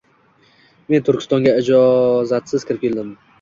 Men Turkistonga ijozatsiz kirib keldim